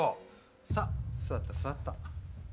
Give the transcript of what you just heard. さっ、座った座った。